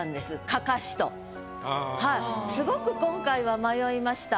すごく今回は迷いました。